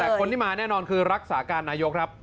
แต่คนที่มาแน่นอนคือรักษาการนายกครับ